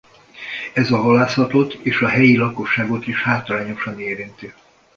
Ez a halászatot és a helyi lakosságot is hátrányosan érinti.